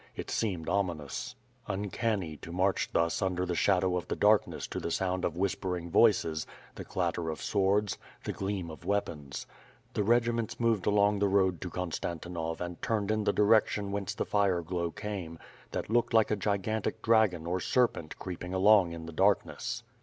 It seemed ominous, uncanny to march thus imder the shadow of the darkness to the sound of whispering voices, the clatter of swords, the gleam of weapons. The regiments moved along the road to Konstan tinov and turned in the direction whence the fire glow came, that looked like a gigantic dragon or serpent creeping along in the darkness.